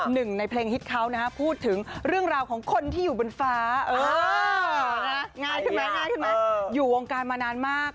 หนึ่งในเพลงฮิตเขานะฮะพูดถึงเรื่องราวของคนที่อยู่บนฟ้าง่ายใช่ไหมง่ายใช่ไหมอยู่วงการมานานมาก